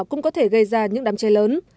cũng có thể gây ra những đám cháy lớn